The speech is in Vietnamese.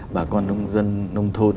bà con dân nông thôn